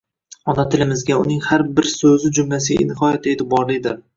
Ona tilimizga, uning har bir so‘zi jumlasiga nihoyatda e’tiborlidir.